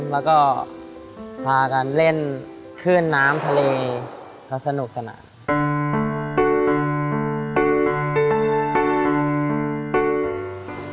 แล้วก็พากันเล่นขึ้นน้ำทะเลก็สนุกสนานอืม